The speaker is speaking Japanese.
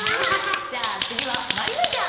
じゃあ次はまりなちゃん。